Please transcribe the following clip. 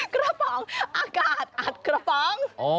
กระป๋องอากาศอัดกระป๋อง